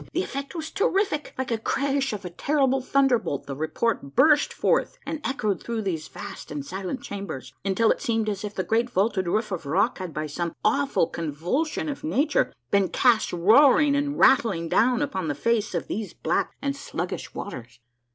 The effect was terrific. Like a crash of a terrible thunderbolt, the report burst forth and echoed through these vast and silent chambers, until it seemed as if the great vaulted roof of rock had by some awful convulsion of nature been cast roaring and rat tling down upon the face of these black and sluggish waters